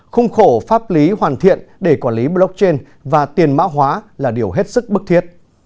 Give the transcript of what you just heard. khung khổ pháp lý hoàn thiện để quản lý blockchain và tiền mã hóa là điều hết sức bức thiết